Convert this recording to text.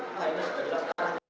nah ini sudah jelas